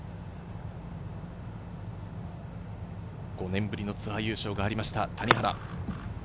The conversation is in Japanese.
５年ぶりのツアー優勝がありました、谷原。